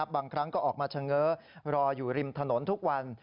บางครั้งก็ออกมาเฉง้อรออยู่ริมถนนทุกวัน